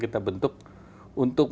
kita bentuk untuk